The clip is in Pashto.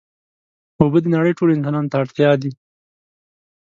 اوبه د نړۍ ټولو انسانانو ته اړتیا دي.